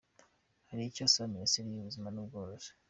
Hari icyo asaba Minisiteri y’Ubuhinzi n’Ubworozi.